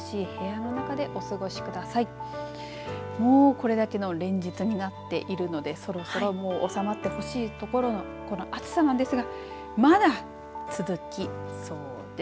これだけの連日になっているのでそろそろ収まってほしいところのこの暑さなんですがまだ続きそうです。